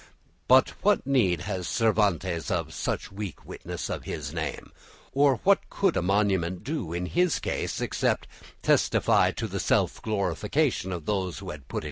But what need has Cervantes of "such weak witness of his name;" or what could a monument do in his case except testify to the self glorification of those who had put it up?